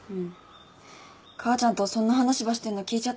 母ちゃんとそんな話ばしてんの聞いちゃったっちね。